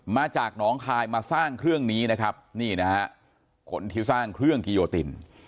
มาจากหนองคายมาสร้างเครื่องนี้นะครับนี่นะฮะคนที่สร้างเครื่องกิโยติน